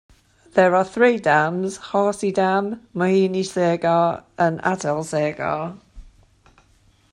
There are three dams, Harsi Dam, Mohini Sagar and Atal Sagar.